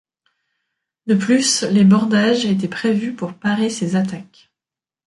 De plus, les bordages étaient prévus pour parer ces attaques.